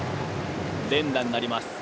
連打になりました。